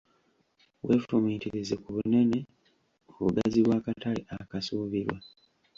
Weefumitirize ku bunene/obugazi bw’akatale akasuubirwa.